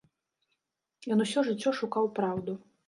Ён усё жыццё шукаў праўду.